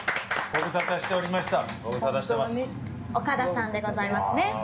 岡田さんでございますね。